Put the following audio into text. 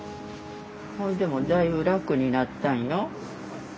それでもだいぶ楽になったんよ。